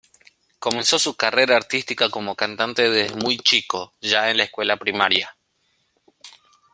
Comenzó su carrera artística como cantante desde muy chico, ya en la escuela primaria.